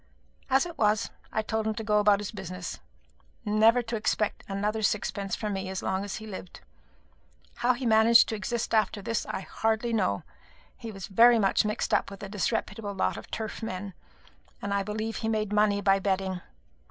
As it was, I told him to go about his business, and never to expect another sixpence from me as long as he lived. How he managed to exist after this, I hardly know. He was very much mixed up with a disreputable lot of turf men, and I believe he made money by betting.